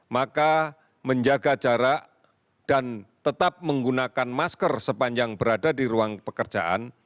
maka menjaga jarak dan tetap menggunakan masker sepanjang berada di ruang pekerjaan